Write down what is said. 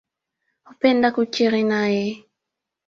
Hupenda kukiri nae.